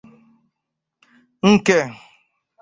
nke